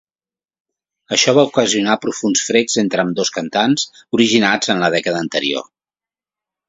Això va ocasionar profunds frecs entre ambdós cantants originats en la dècada anterior.